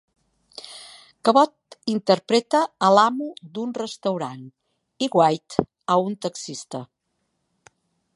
Cabot interpreta a l'amo d'un restaurant i White a un taxista.